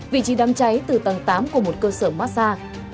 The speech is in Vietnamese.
vị trí đám cháy từ tầng tám của một cơ sở massage